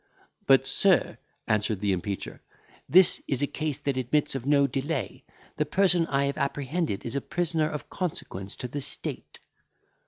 "But, sir," answered the impeacher, "this is a case that admits of no delay; the person I have apprehended is a prisoner of consequence to the state."